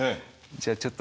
じゃあちょっと。